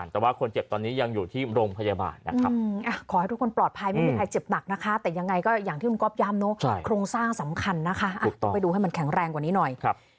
ต้องไปดูให้มันแข็งแรงกว่านี้หน่อย